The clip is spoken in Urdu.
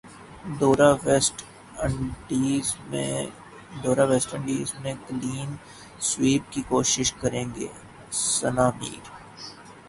دورہ ویسٹ انڈیز میں کلین سویپ کی کوشش کرینگے ثناء میر